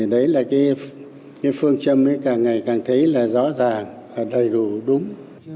đấy là cái phương châm càng ngày càng thấy là rõ ràng càng đầy đủ đúng